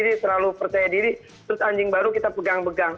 dia selalu percaya diri terus anjing baru kita pegang pegang